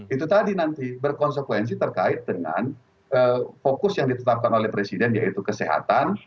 itu tadi nanti berkonsekuensi terkait dengan fokus yang ditetapkan oleh presiden yaitu kesehatan